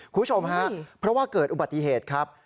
คุณผู้ชมฮะเพราะว่าเกิดอุบัติเหตุครับ